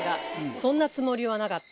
「そんなつもりはなかった」。